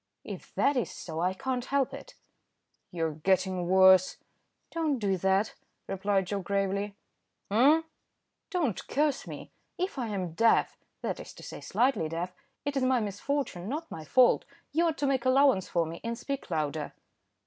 "If that is so I can't help it." "You're getting worse." "Don't do that," replied Joe gravely. "Eh?" "Don't curse me. If I am deaf, that is to say slightly deaf, it is my misfortune, not my fault; you ought to make allowance for me, and speak louder."